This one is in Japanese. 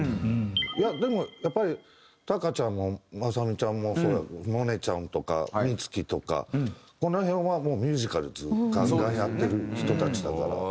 でもやっぱりたかちゃんもまさみちゃんもそうやけど萌音ちゃんとか充希とかこの辺はもうミュージカルガンガンやってる人たちだから。